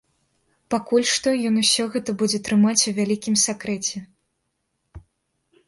Пакуль што ён усё гэта будзе трымаць у вялікім сакрэце.